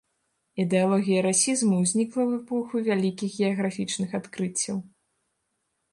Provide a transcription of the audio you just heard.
Ідэалогія расізму ўзнікла ў эпоху вялікіх геаграфічных адкрыццяў.